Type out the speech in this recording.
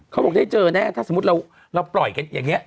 เขาบอกได้เจอแน่ถ้าสมมุติเราปล่อยกันอย่างนี้